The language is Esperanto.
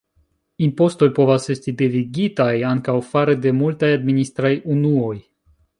Impostoj povas esti devigitaj ankaŭ fare de multaj administraj unuoj.